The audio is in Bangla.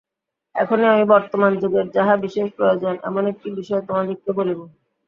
এখন আমি বর্তমান যুগের যাহা বিশেষ প্রয়োজন, এমন একটি বিষয় তোমাদিগকে বলিব।